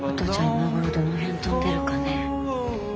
今頃どの辺飛んでるかね？